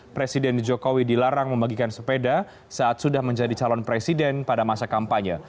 presiden jokowi dilarang membagikan sepeda saat sudah menjadi calon presiden pada masa kampanye